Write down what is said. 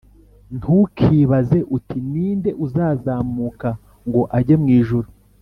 ! “Ntukibaze uti ‘Ni nde uzazamuka ngo ajye mu ijuru?’